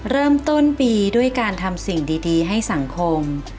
เริ่มต้นปีด้วยการทำสิ่งดีให้สังคม